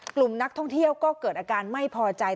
กลุ่มนักท่องเที่ยวก็เกิดอาการไม่พอใจ